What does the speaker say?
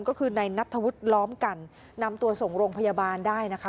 ก็คือในนัทธวุฒิล้อมกันนำตัวส่งโรงพยาบาลได้นะคะ